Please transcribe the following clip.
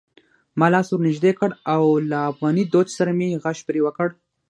ما لاس ور نږدې کړ او له افغاني دود سره مې غږ پرې وکړ: